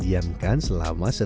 bikin adonan untuk martabak ya